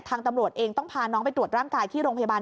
ตำรวจเองต้องพาน้องไปตรวจร่างกายที่โรงพยาบาล